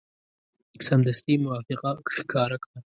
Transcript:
سمدستي موافقه ښکاره کړه.